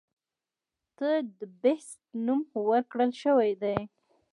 ته د “The Beast” نوم ورکړے شوے دے.